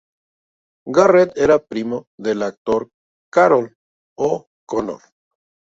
Garrett era primo del actor Carroll O'Connor.